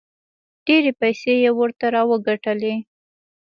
ډېرې پیسې یې ورته راوګټلې.